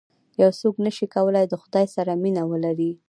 یو څوک نه شي کولای د خدای سره مینه ولري.